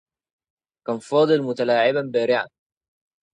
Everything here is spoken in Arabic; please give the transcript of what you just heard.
كان فاضل متلاعبا بارعا.